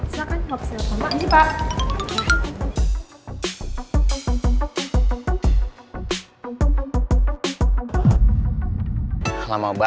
silahkan nge upsell sama mbak nih pak